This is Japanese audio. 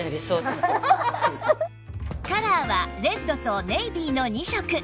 カラーはレッドとネイビーの２色